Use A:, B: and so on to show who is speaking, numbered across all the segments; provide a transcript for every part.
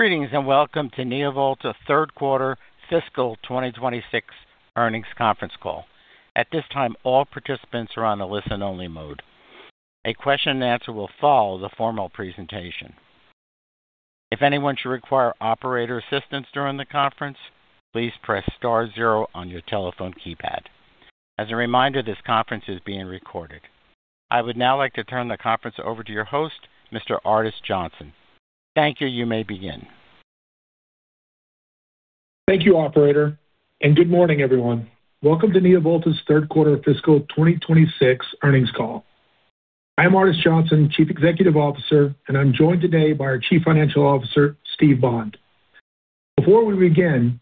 A: Greetings and welcome to NeoVolta third quarter fiscal 2026 earnings conference call. At this time, all participants are on a listen-only mode. A question and answer will follow the formal presentation. If anyone should require operator assistance during the conference, please press star zero on your telephone keypad. As a reminder, this conference is being recorded. I would now like to turn the conference over to your host, Mr. Ardes Johnson. Thank you. You may begin.
B: Thank you, operator. Good morning, everyone. Welcome to NeoVolta's third quarter fiscal 2026 earnings call. I am Ardes Johnson, Chief Executive Officer. I'm joined today by our Chief Financial Officer, Steve Bond. Before we begin,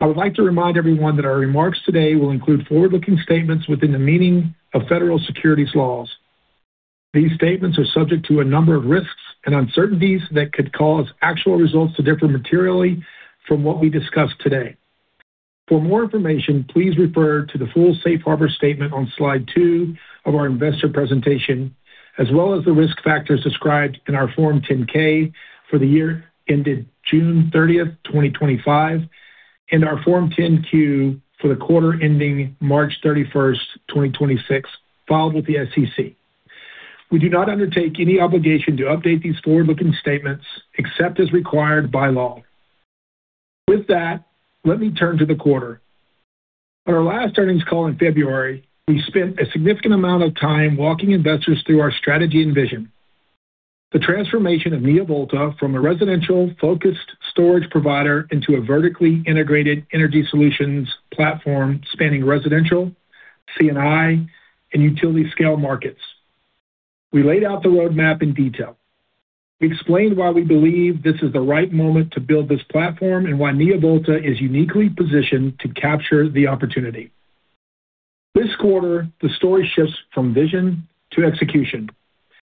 B: I would like to remind everyone that our remarks today will include forward-looking statements within the meaning of federal securities laws. These statements are subject to a number of risks and uncertainties that could cause actual results to differ materially from what we discuss today. For more information, please refer to the full safe harbor statement on slide two of our investor presentation, as well as the risk factors described in our Form 10-K for the year ended June 30th, 2025, our Form 10-Q for the quarter ending March 31st, 2026, filed with the SEC. We do not undertake any obligation to update these forward-looking statements except as required by law. With that, let me turn to the quarter. On our last earnings call in February, we spent a significant amount of time walking investors through our strategy and vision. The transformation of NeoVolta from a residential-focused storage provider into a vertically integrated energy solutions platform spanning residential, C&I, and utility scale markets. We laid out the roadmap in detail. We explained why we believe this is the right moment to build this platform and why NeoVolta is uniquely positioned to capture the opportunity. This quarter, the story shifts from vision to execution,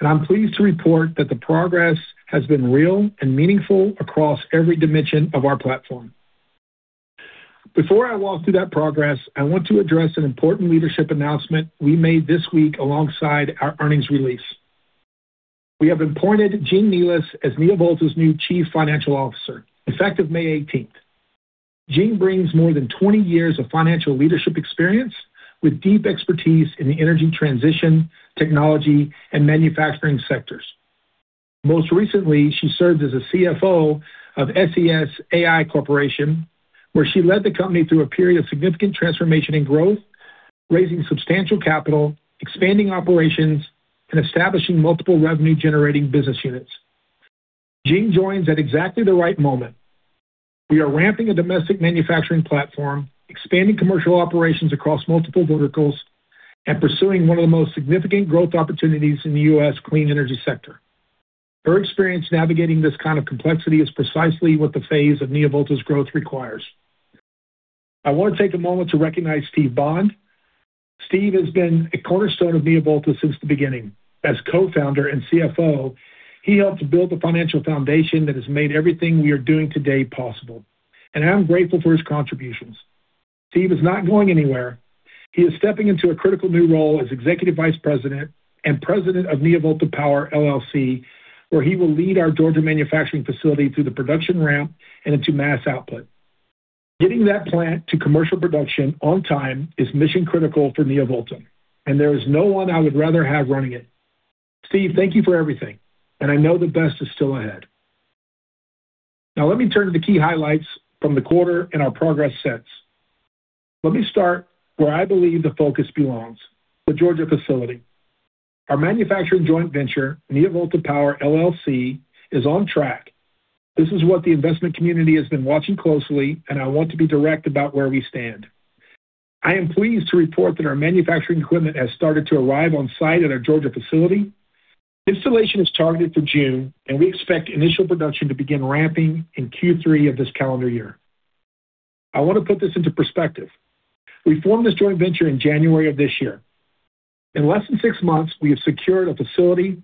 B: and I'm pleased to report that the progress has been real and meaningful across every dimension of our platform. Before I walk through that progress, I want to address an important leadership announcement we made this week alongside our earnings release. We have appointed Jing Nealis as NeoVolta's new Chief Financial Officer, effective May 18th. Jing brings more than 20 years of financial leadership experience with deep expertise in the energy transition, technology and manufacturing sectors. Most recently, she served as a CFO of SES AI Corporation, where she led the company through a period of significant transformation and growth, raising substantial capital, expanding operations, and establishing multiple revenue-generating business units. Jing joins at exactly the right moment. We are ramping a domestic manufacturing platform, expanding commercial operations across multiple verticals, and pursuing one of the most significant growth opportunities in the U.S. clean energy sector. Her experience navigating this kind of complexity is precisely what the phase of NeoVolta's growth requires. I want to take a moment to recognize Steve Bond. Steve has been a cornerstone of NeoVolta since the beginning. As co-founder and CFO, he helped build the financial foundation that has made everything we are doing today possible, and I'm grateful for his contributions. Steve is not going anywhere. He is stepping into a critical new role as Executive Vice President and President of NeoVolta Power LLC, where he will lead our Georgia manufacturing facility through the production ramp and into mass output. Getting that plant to commercial production on time is mission critical for NeoVolta. There is no one I would rather have running it. Steve, thank you for everything. I know the best is still ahead. Now let me turn to the key highlights from the quarter and our progress since. Let me start where I believe the focus belongs, the Georgia facility. Our manufacturing joint venture, NeoVolta Power LLC, is on track. This is what the investment community has been watching closely. I want to be direct about where we stand. I am pleased to report that our manufacturing equipment has started to arrive on site at our Georgia facility. Installation is targeted for June. We expect initial production to begin ramping in Q3 of this calendar year. I want to put this into perspective. We formed this joint venture in January of this year. In less than six months, we have secured a facility,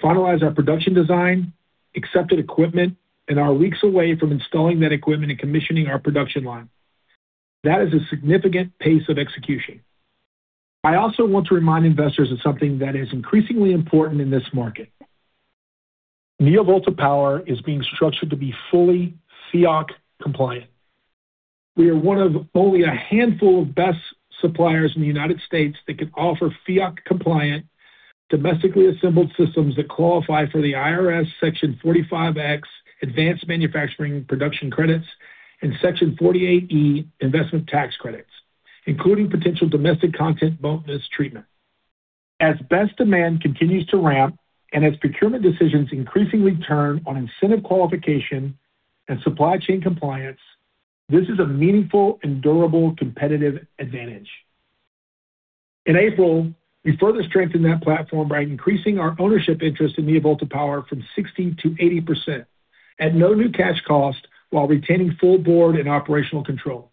B: finalized our production design, accepted equipment, and are weeks away from installing that equipment and commissioning our production line. That is a significant pace of execution. I also want to remind investors of something that is increasingly important in this market. NeoVolta Power is being structured to be fully FEOC compliant. We are one of only a handful of BESS suppliers in the U.S. that can offer FEOC compliant, domestically assembled systems that qualify for the IRS Section 45X Advanced Manufacturing Production Credit and Section 48E investment tax credits, including potential domestic content bonus treatment. As BESS demand continues to ramp and as procurement decisions increasingly turn on incentive qualification and supply chain compliance, this is a meaningful and durable competitive advantage. In April, we further strengthened that platform by increasing our ownership interest in NeoVolta Power from 60%-80% at no new cash cost while retaining full board and operational control.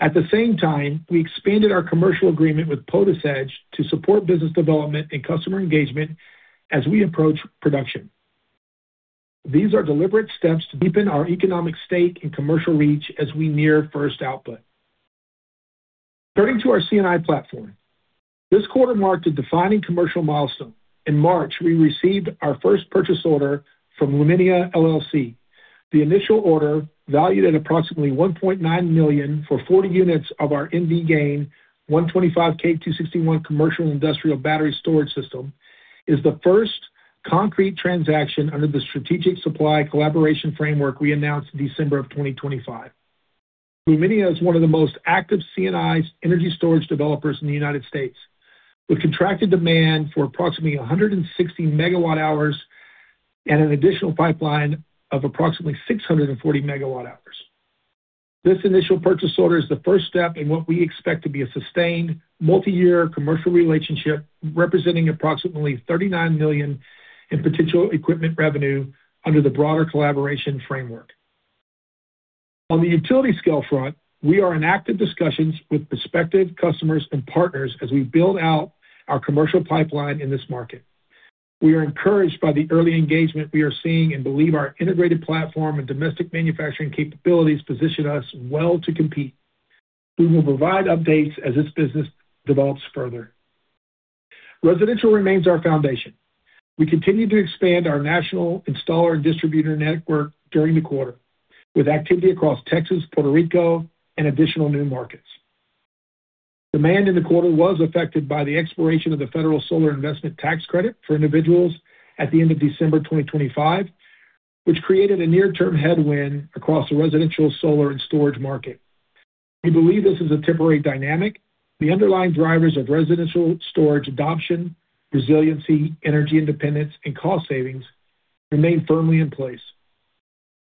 B: At the same time, we expanded our commercial agreement with PotisEdge to support business development and customer engagement as we approach production. These are deliberate steps to deepen our economic stake and commercial reach as we near first output. Turning to our C&I platform. This quarter marked a defining commercial milestone. In March, we received our first purchase order from Luminia LLC. The initial order, valued at approximately $1.9 million for 40 units of our NV Gain 125K261 commercial industrial battery storage system, is the first concrete transaction under the strategic supply collaboration framework we announced December 2025. Luminia is one of the most active C&I's energy storage developers in the U.S., with contracted demand for approximately 160 MWh and an additional pipeline of approximately 640 MWh. This initial purchase order is the first step in what we expect to be a sustained multi-year commercial relationship, representing approximately $39 million in potential equipment revenue under the broader collaboration framework. On the utility scale front, we are in active discussions with prospective customers and partners as we build out our commercial pipeline in this market. We are encouraged by the early engagement we are seeing and believe our integrated platform and domestic manufacturing capabilities position us well to compete. We will provide updates as this business develops further. Residential remains our foundation. We continued to expand our national installer and distributor network during the quarter, with activity across Texas, Puerto Rico, and additional new markets. Demand in the quarter was affected by the expiration of the federal Solar Investment Tax Credit for individuals at the end of December 2025, which created a near-term headwind across the residential solar and storage market. We believe this is a temporary dynamic. The underlying drivers of residential storage adoption, resiliency, energy independence, and cost savings remain firmly in place.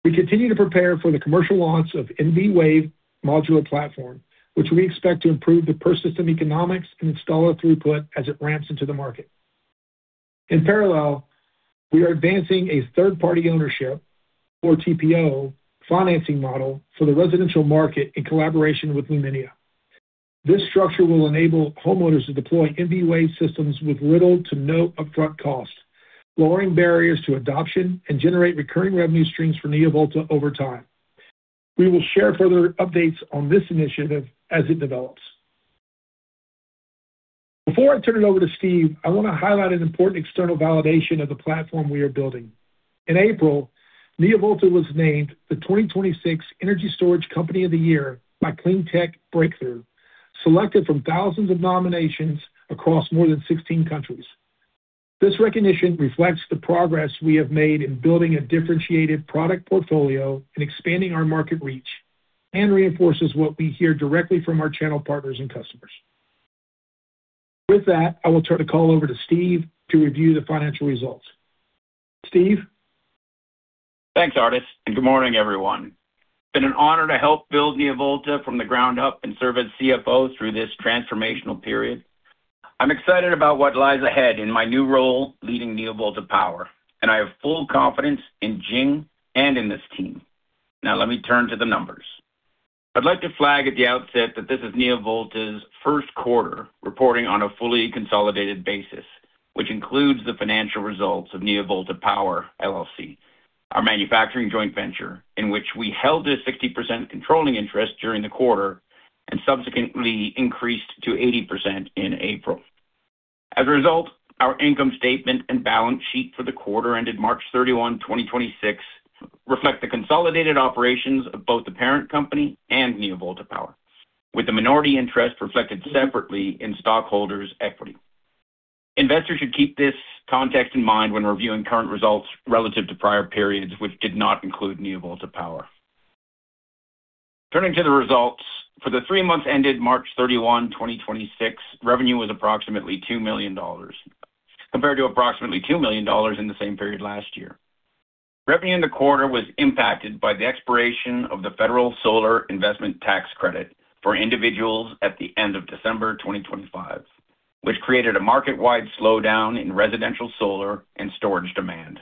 B: We continue to prepare for the commercial launch of NV Wave modular platform, which we expect to improve the per system economics and installer throughput as it ramps into the market. In parallel, we are advancing a third-party ownership, or TPO, financing model for the residential market in collaboration with Luminia. This structure will enable homeowners to deploy NV Wave systems with little to no upfront cost, lowering barriers to adoption and generate recurring revenue streams for NeoVolta over time. We will share further updates on this initiative as it develops. Before I turn it over to Steve, I want to highlight an important external validation of the platform we are building. In April, NeoVolta was named the 2026 Energy Storage Company of the Year by CleanTech Breakthrough, selected from thousands of nominations across more than 16 countries. This recognition reflects the progress we have made in building a differentiated product portfolio and expanding our market reach and reinforces what we hear directly from our channel partners and customers. With that, I will turn the call over to Steve to review the financial results. Steve?
C: Thanks, Ardes, and good morning, everyone. It's been an honor to help build NeoVolta from the ground up and serve as CFO through this transformational period. I'm excited about what lies ahead in my new role leading NeoVolta Power, and I have full confidence in Jing and in this team. Now let me turn to the numbers. I'd like to flag at the outset that this is NeoVolta's first quarter reporting on a fully consolidated basis, which includes the financial results of NeoVolta Power LLC, our manufacturing joint venture, in which we held a 60% controlling interest during the quarter and subsequently increased to 80% in April. As a result, our income statement and balance sheet for the quarter ended March 31, 2026 reflect the consolidated operations of both the parent company and NeoVolta Power, with the minority interest reflected separately in stockholders' equity. Investors should keep this context in mind when reviewing current results relative to prior periods, which did not include NeoVolta Power. Turning to the results. For the three months ended March 31, 2026, revenue was approximately $2 million, compared to approximately $2 million in the same period last year. Revenue in the quarter was impacted by the expiration of the federal Solar Investment Tax Credit for individuals at the end of December 2025, which created a market-wide slowdown in residential solar and storage demand.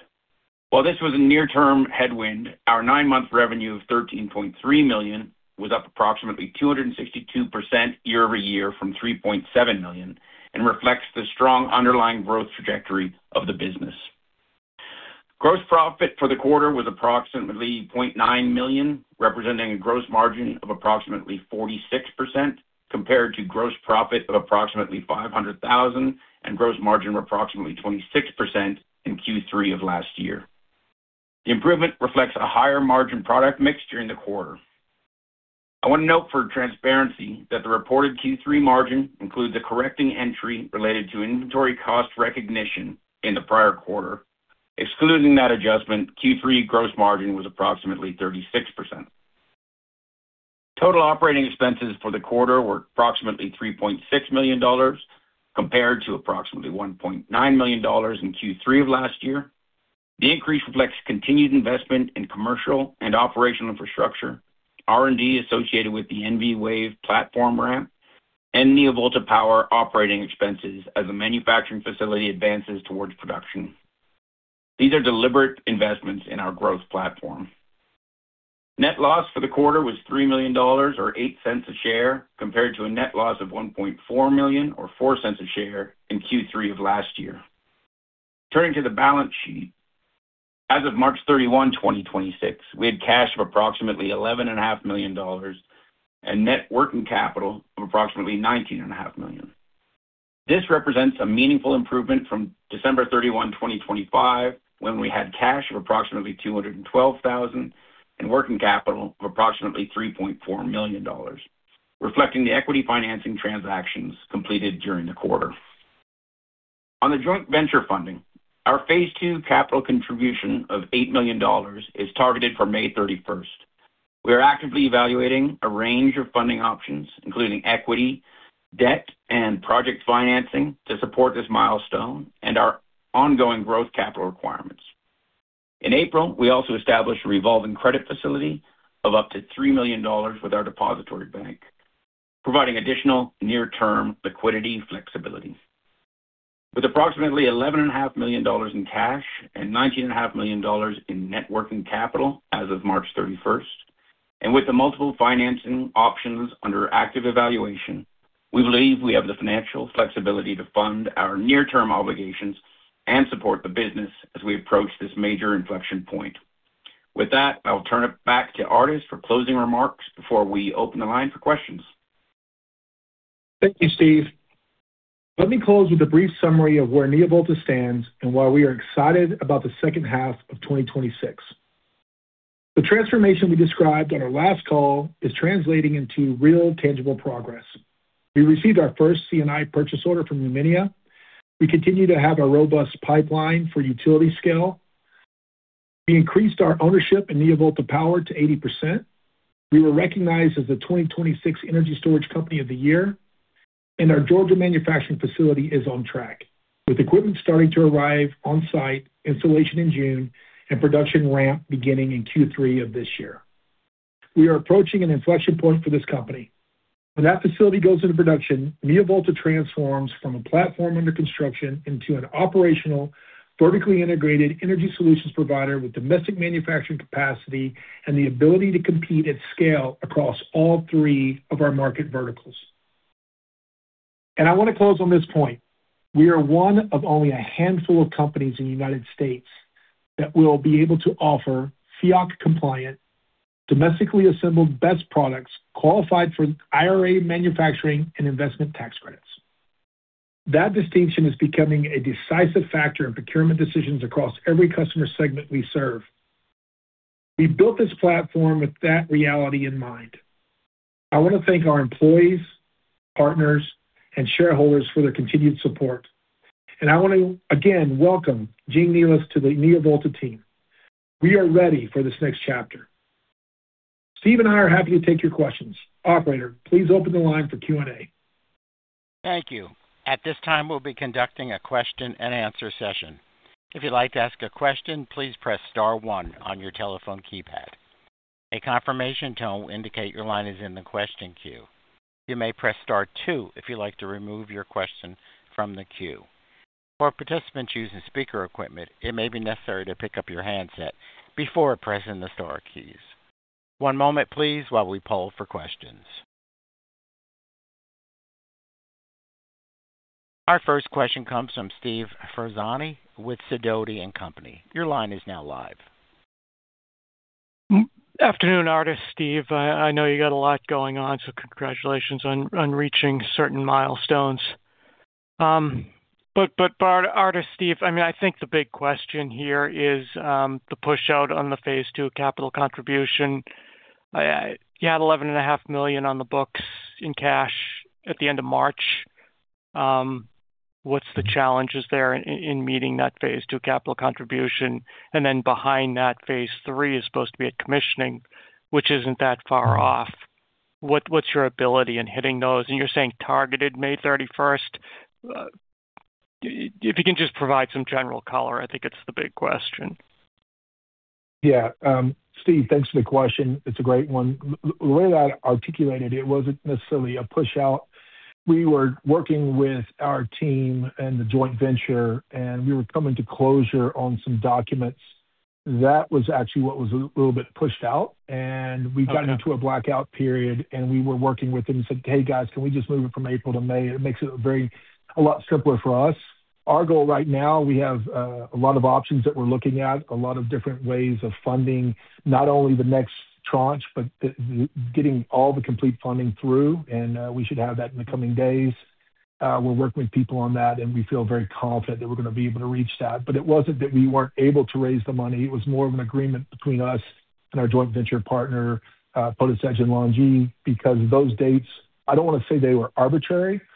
C: While this was a near-term headwind, our nine-month revenue of $13.3 million was up approximately 262% year-over-year from $3.7 million and reflects the strong underlying growth trajectory of the business. Gross profit for the quarter was approximately $0.9 million, representing a gross margin of approximately 46% compared to gross profit of approximately $500,000 and gross margin of approximately 26% in Q3 of last year. The improvement reflects a higher margin product mixture in the quarter. I want to note for transparency that the reported Q3 margin includes a correcting entry related to inventory cost recognition in the prior quarter. Excluding that adjustment, Q3 gross margin was approximately 36%. Total operating expenses for the quarter were approximately $3.6 million, compared to approximately $1.9 million in Q3 of last year. The increase reflects continued investment in commercial and operational infrastructure, R&D associated with the NV Wave platform ramp, and NeoVolta Power operating expenses as a manufacturing facility advances towards production. These are deliberate investments in our growth platform. Net loss for the quarter was $3 million or $0.08 a share, compared to a net loss of $1.4 million or $0.04 a share in Q3 of last year. Turning to the balance sheet. As of March 31, 2026, we had cash of approximately $11.5 million and net working capital of approximately $19.5 million. This represents a meaningful improvement from December 31, 2025, when we had cash of approximately $212,000 and working capital of approximately $3.4 million, reflecting the equity financing transactions completed during the quarter. On the joint venture funding, our phase II capital contribution of $8 million is targeted for May 31. We are actively evaluating a range of funding options, including equity, debt, and project financing to support this milestone and our ongoing growth capital requirements. In April, we also established a revolving credit facility of up to $3 million with our depository bank, providing additional near-term liquidity flexibility. With approximately $11 and $500,000 in cash and $19 and $500,000 in net working capital as of March 31st, and with the multiple financing options under active evaluation, we believe we have the financial flexibility to fund our near-term obligations and support the business as we approach this major inflection point. With that, I will turn it back to Ardes for closing remarks before we open the line for questions.
B: Thank you, Steve. Let me close with a brief summary of where NeoVolta stands and why we are excited about the second half of 2026. The transformation we described on our last call is translating into real, tangible progress. We received our first C&I purchase order from Luminia. We continue to have a robust pipeline for utility scale. We increased our ownership in NeoVolta Power to 80%. We were recognized as the 2026 Energy Storage Company of the Year, and our Georgia manufacturing facility is on track, with equipment starting to arrive on site, installation in June, and production ramp beginning in Q3 of this year. We are approaching an inflection point for this company. When that facility goes into production, NeoVolta transforms from a platform under construction into an operational, vertically integrated energy solutions provider with domestic manufacturing capacity and the ability to compete at scale across all three of our market verticals. I want to close on this point. We are one of only a handful of companies in the United States that will be able to offer FEOC compliant, domestically assembled BESS products qualified for IRA manufacturing and investment tax credits. That distinction is becoming a decisive factor in procurement decisions across every customer segment we serve. We built this platform with that reality in mind. I want to thank our employees, partners, and shareholders for their continued support. I want to again welcome Jing Nealis to the NeoVolta team. We are ready for this next chapter. Steve and I are happy to take your questions. Operator, please open the line for Q&A.
A: Thank you. Our first question comes from Steve Ferazani with Sidoti & Company. Your line is now live.
D: Afternoon, Ardes, Steve. I know you got a lot going on, so congratulations on reaching certain milestones. Ardes, Steve, I mean, I think the big question here is the push out on the phase II capital contribution. You had $11.5 million on the books in cash at the end of March. What's the challenges there in meeting that phase II capital contribution? Behind that, phase III is supposed to be a commissioning, which isn't that far off. What's your ability in hitting those? You're saying targeted May 31st. If you can just provide some general color, I think it's the big question.
B: Steve, thanks for the question. It's a great one. The way that articulated, it wasn't necessarily a push out. We were working with our team and the joint venture, and we were coming to closure on some documents. That was actually what was a little bit pushed out, and we got into a blackout period, and we were working with them and said, "Hey, guys, can we just move it from April to May? It makes it a lot simpler for us." Our goal right now, we have a lot of options that we're looking at, a lot of different ways of funding, not only the next tranche, but the getting all the complete funding through, and we should have that in the coming days. We're working with people on that, and we feel very confident that we're gonna be able to reach that. It wasn't that we weren't able to raise the money. It was more of an agreement between us and our joint venture partner, PotisEdge and LONGi, because those dates, I don't want to say they were arbitrary, but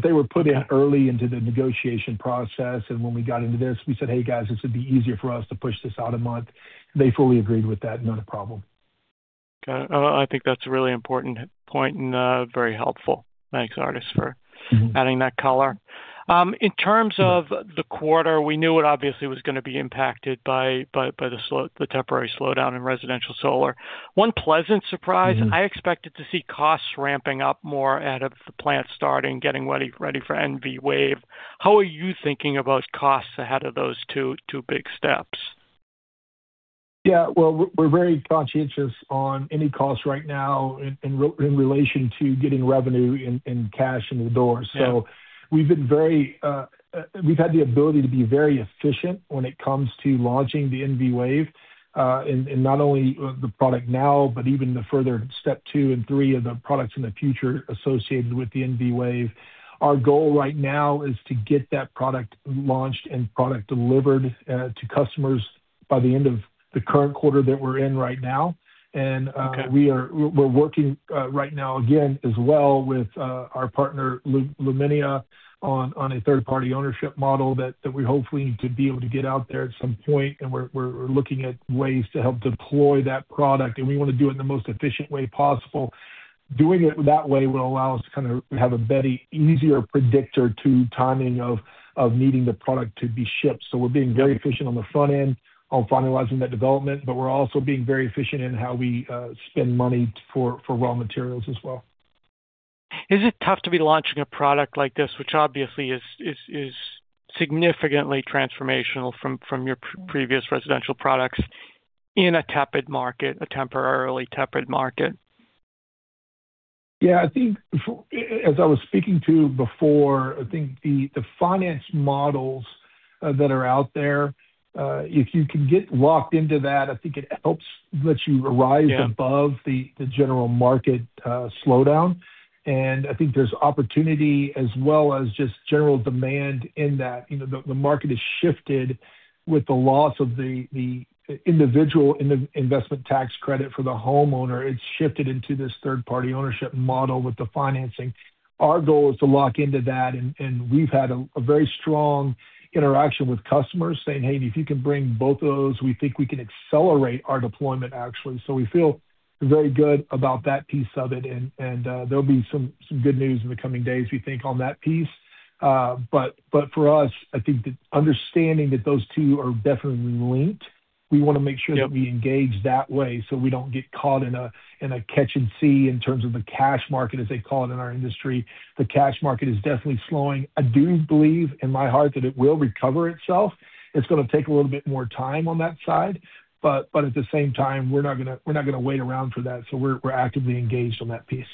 B: they were put in early into the negotiation process. When we got into this, we said, "Hey, guys, this would be easier for us to push this out a month." They fully agreed with that. Not a problem.
D: Got it. I think that's a really important point and very helpful. Thanks, Ardes, for adding that color. In terms of the quarter, we knew it obviously was gonna be impacted by the temporary slowdown in residential solar. One pleasant surprise, I expected to see costs ramping up more out of the plant starting, getting ready for NV Wave. How are you thinking about costs ahead of those two big steps?
B: Yeah. Well, we're very conscientious on any cost right now in relation to getting revenue and cash in the door.
D: Yeah.
B: We've been very, we've had the ability to be very efficient when it comes to launching the NV Wave, in not only, the product now, but even the further step two and three of the products in the future associated with the NV Wave. Our goal right now is to get that product launched and product delivered, to customers by the end of the current quarter that we're in right now.
D: Okay
B: We're working right now again, as well with our partner Luminia on a third-party ownership model that we hopefully to be able to get out there at some point. We're looking at ways to help deploy that product, and we wanna do it in the most efficient way possible. Doing it that way will allow us to kind of have a better, easier predictor to timing of needing the product to be shipped. We're being very efficient on the front end on finalizing that development, but we're also being very efficient in how we spend money for raw materials as well.
D: Is it tough to be launching a product like this, which obviously is significantly transformational from your previous residential products in a tepid market, a temporarily tepid market?
B: Yeah. I think as I was speaking to before, I think the finance models that are out there, if you can get locked into that, I think it helps let you rise-
D: Yeah
B: above the general market slowdown. I think there's opportunity as well as just general demand in that. You know, the market has shifted with the loss of the individual investment tax credit for the homeowner. It's shifted into this third-party ownership model with the financing. Our goal is to lock into that, and we've had a very strong interaction with customers saying, "Hey, if you can bring both those, we think we can accelerate our deployment, actually." We feel very good about that piece of it. There'll be some good news in the coming days, we think, on that piece. But for us, I think the understanding that those two are definitely linked, we wanna make sure-
D: Yep
B: that we engage that way, so we don't get caught in a, in a catch and see in terms of the cash market, as they call it in our industry. The cash market is definitely slowing. I do believe in my heart that it will recover itself. It's gonna take a little bit more time on that side. At the same time, we're not gonna, we're not gonna wait around for that, so we're actively engaged on that piece.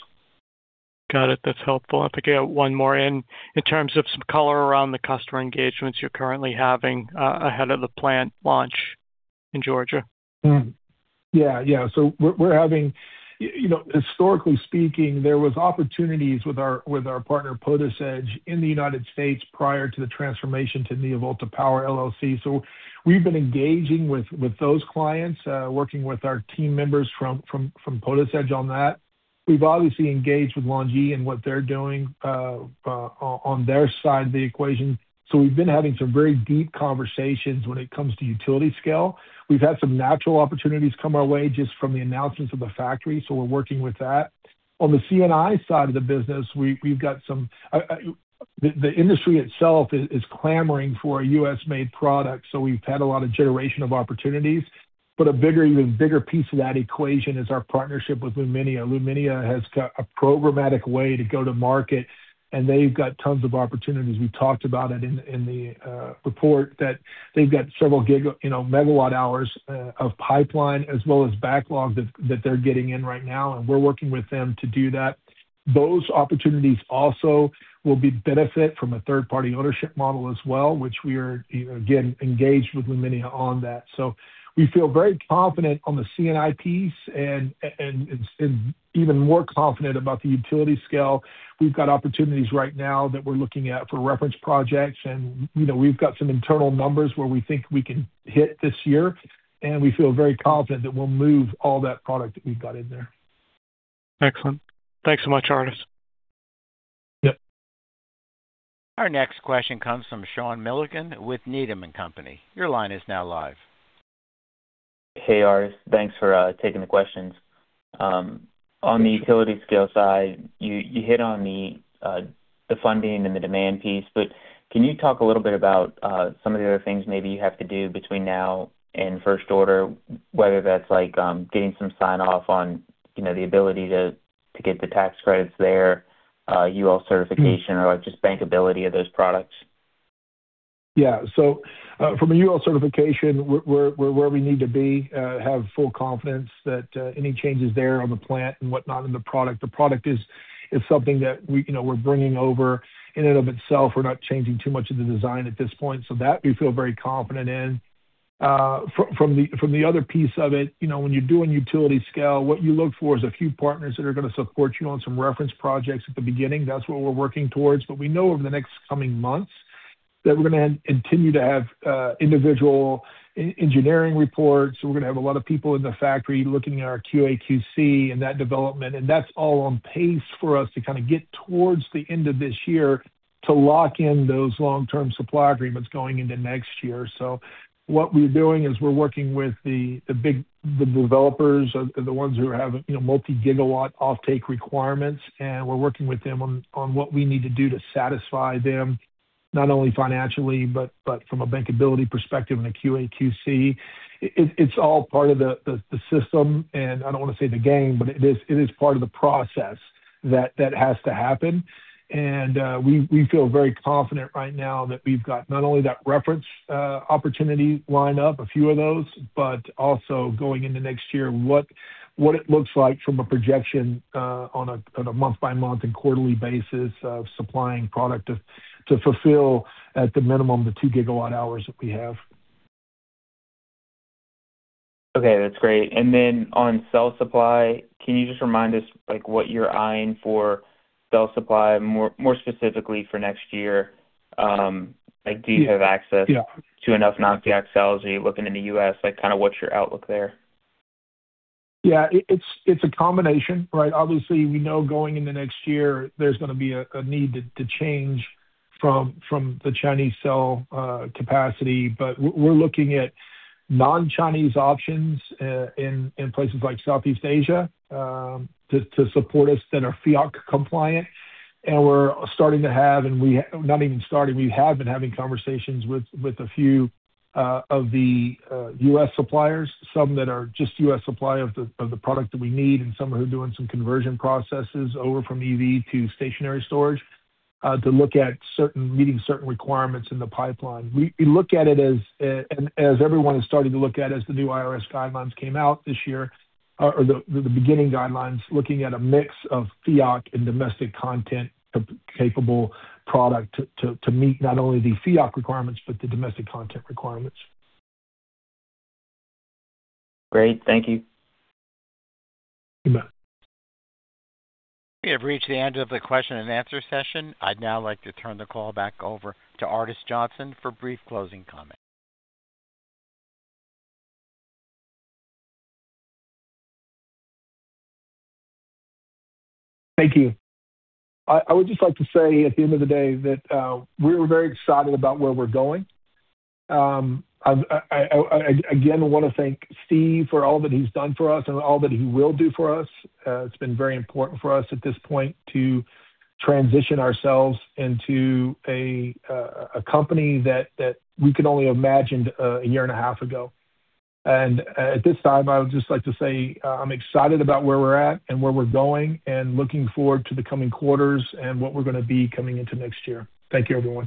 D: Got it. That's helpful. I think I have one more in terms of some color around the customer engagements you're currently having, ahead of the plant launch in Georgia.
B: Yeah. Yeah. We're having you know, historically speaking, there was opportunities with our, with our partner, PotisEdge, in the United States prior to the transformation to NeoVolta Power LLC. We've been engaging with those clients, working with our team members from PotisEdge on that. We've obviously engaged with LONGi and what they're doing on their side of the equation. We've been having some very deep conversations when it comes to utility scale. We've had some natural opportunities come our way just from the announcements of the factory. We're working with that. On the C&I side of the business, we've got some the industry itself is clamoring for a U.S.-made product. We've had a lot of generation of opportunities. A bigger, even bigger piece of that equation is our partnership with Luminia. Luminia has got a programmatic way to go to market, and they've got tons of opportunities. We talked about it in the report that they've got several giga megawatt-hours of pipeline as well as backlog that they're getting in right now, and we're working with them to do that. Those opportunities also will be benefit from a third-party ownership model as well, which we are again, engaged with Luminia on that. We feel very confident on the C&I piece and even more confident about the utility scale. We've got opportunities right now that we're looking at for reference projects and, you know, we've got some internal numbers where we think we can hit this year, and we feel very confident that we'll move all that product that we've got in there.
D: Excellent. Thanks so much, Ardes.
B: Yep.
A: Our next question comes from Sean Milligan with Needham & Company. Your line is now live.
E: Hey, Ardes. Thanks for taking the questions. On the utility scale side, you hit on the funding and the demand piece. Can you talk a little bit about some of the other things maybe you have to do between now and first order, whether that's like getting some sign-off on, you know, the ability to get the tax credits there, UL certification? or like just bankability of those products?
B: From a UL certification, we're where we need to be, have full confidence that any changes there on the plant and whatnot in the product. The product is something that we, you know, we're bringing over in and of itself. We're not changing too much of the design at this point. That we feel very confident in. From the, from the other piece of it, you know, when you do a utility scale, what you look for is a few partners that are gonna support you on some reference projects at the beginning. That's what we're working towards. We know over the next coming months that we continue to have individual engineering reports. We're gonna have a lot of people in the factory looking at our QAQC and that development. That's all on pace for us to kind of get towards the end of this year to lock in those long-term supply agreements going into next year. What we're doing is we're working with the big developers, the ones who have, you know, multi-gigawatt offtake requirements, and we're working with them on what we need to do to satisfy them not only financially, but from a bankability perspective and a QAQC. It's all part of the system, and I don't want to say the game, but it is part of the process that has to happen. We feel very confident right now that we've got not only that reference opportunity lined up, a few of those, but also going into next year, what it looks like from a projection on a month-by-month and quarterly basis of supplying product to fulfill at the minimum the 2 GWh that we have.
E: Okay, that's great. Then on cell supply, can you just remind us, like, what you're eyeing for cell supply more, more specifically for next year?
B: Yeah.
E: -to enough non-FEOC cells? Are you looking in the U.S.? Like, kinda what's your outlook there?
B: It's a combination, right? Obviously, we know going into next year there's gonna be a need to change from the Chinese cell capacity. We're looking at non-Chinese options in places like Southeast Asia to support us that are FEOC compliant. We have been having conversations with a few of the U.S. suppliers, some that are just U.S. supply of the product that we need, and some are doing some conversion processes over from EV to stationary storage to look at meeting certain requirements in the pipeline. We look at it as, and as everyone is starting to look at as the new IRS guidelines came out this year, or the beginning guidelines, looking at a mix of FEOC and domestic content capable product to meet not only the FEOC requirements but the domestic content requirements.
E: Great. Thank you.
B: You bet.
A: We have reached the end of the question and answer session. I'd now like to turn the call back over to Ardes Johnson for brief closing comments.
B: Thank you. I would just like to say at the end of the day that we're very excited about where we're going. I, again, wanna thank Steve for all that he's done for us and all that he will do for us. It's been very important for us at this point to transition ourselves into a company that we could only imagined a year and a half ago. At this time, I would just like to say I'm excited about where we're at and where we're going, and looking forward to the coming quarters and what we're gonna be coming into next year. Thank you, everyone.